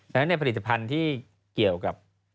แล้วในผลิตภัณฑ์ที่เกี่ยวกับ